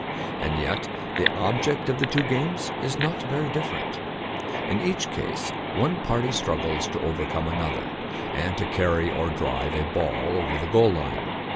And yet the object of the two games is not very different. In each case one party strug gles to overcome another and to carry, or drive, a ball over the goal line.